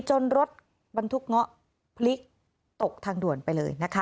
รถบรรทุกเงาะพลิกตกทางด่วนไปเลยนะคะ